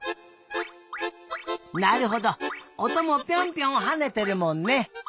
なるほどおともピョンピョンはねてるもんね。